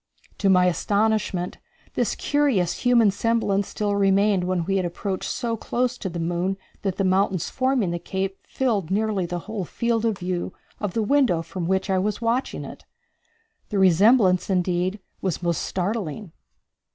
To my astonishment, this curious human semblance still remained when we had approached so close to the moon that the mountains forming the cape filled nearly the whole field of view of the window from which I was watching it. The resemblance, indeed, was most startling.